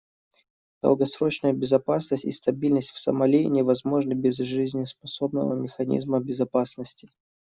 Долгосрочная безопасность и стабильность в Сомали невозможны без жизнеспособного механизма безопасности.